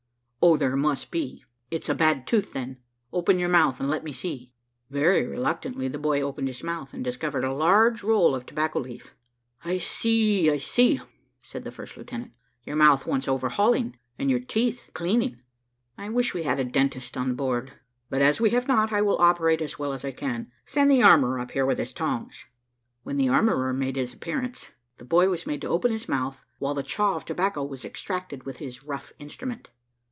"Oh, there must be; it is a bad tooth, then. Open your mouth, and let me see." Very reluctantly the boy opened his mouth, and discovered a large roll of tobacco leaf. "I see, I see," said the first lieutenant, "your mouth wants overhauling, and your teeth cleaning. I wish we had a dentist on board; but as we have not, I will operate as well as I can. Send the armourer up here with his tongs." When the armourer made his appearance, the boy was made to open his mouth, while the chaw of tobacco was extracted with his rough instrument.